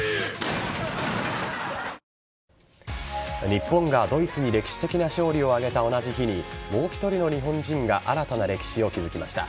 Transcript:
日本がドイツに歴史的な勝利を挙げた同じ日にもう１人の日本人が新たな歴史を築きました。